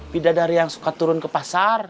bidadari yang suka turun ke pasar